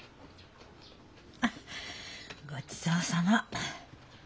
あっごちそうさま。